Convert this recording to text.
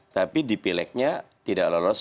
tapi di pileknya tidak lolos